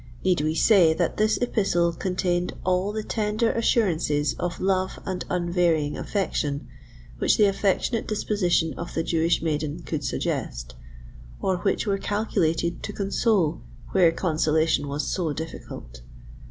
Need we say that this epistle contained all the tender assurances of love and unvarying affection which the affectionate disposition of the Jewish maiden could suggest, or which were calculated to console where consolation was so difficult?